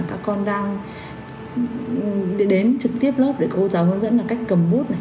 các con đang đến trực tiếp lớp để cô giáo hướng dẫn là cách cầm bút này